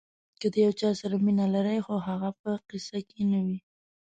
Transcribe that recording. که د یو چا سره مینه لرئ خو هغه په قصه کې نه وي.